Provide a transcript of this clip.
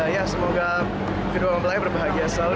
ya semoga kedua orang belanya berbahagia selalu dihibur